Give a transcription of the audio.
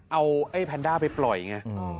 เอาไอ้แพนด้าไปปล่อยไง